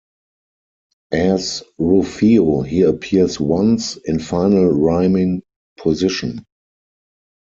As "Rupheo", he appears once, in final rhyming position.